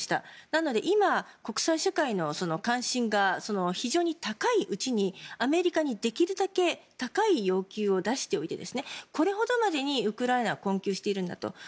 なので今、国際社会の関心が非常に高いうちにアメリカにできるだけ高い要求を出しておいてこれほどまでにウクライナは困窮しているんだと。